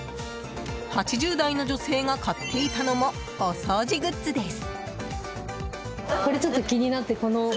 ８０代の女性が買っていたのもお掃除グッズです。